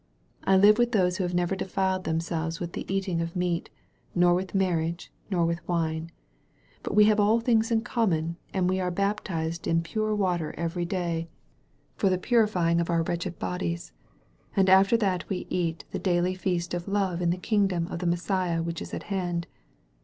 I live with those who have never defiled themselves with the eating of meat, nor with marriage, nor with wine; but we have all things in common, and we are bap tized in pure water every day for the purifying of 283 THE VALLEY OF VISION our wietched bodies, and after that we eat the daily feast of love in the Idngdom of the Messiah which is at hand.